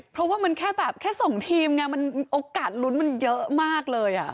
เพราะว่ามันแค่แบบแค่๒ทีมไงมันโอกาสลุ้นมันเยอะมากเลย